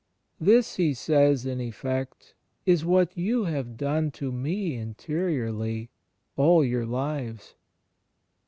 "This," He says in effect, "is what you have done to Me interiorly, all your lives."